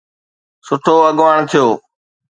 سٺو اڳواڻ ٿيو.